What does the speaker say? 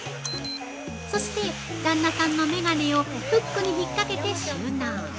そして旦那さんの眼鏡をフックにひっかけて収納。